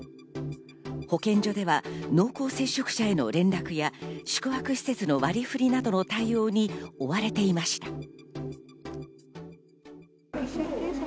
保健所では濃厚接触者への連絡や宿泊施設の割り振りなどの対応に追われていました。